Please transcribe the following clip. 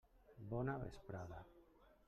Bona vesprada.